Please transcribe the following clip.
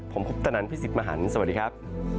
ผมคุปตะนันพี่สิทธิ์มหันฯสวัสดีครับ